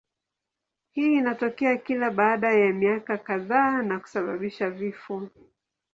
Hii inatokea kila baada ya miaka kadhaa na kusababisha vifo.